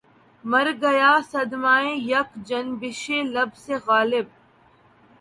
مرگیا صدمہٴ یک جنبشِ لب سے غالب